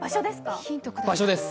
場所です。